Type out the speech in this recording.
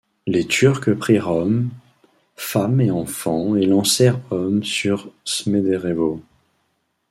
Les Turcs prirent hommes, femmes et enfants et lancèrent hommes sur Smederevo.